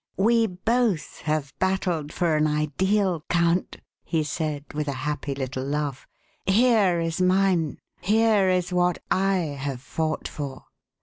"We both have battled for an ideal, Count," he said, with a happy little laugh. "Here is mine. Here is what I have fought for!"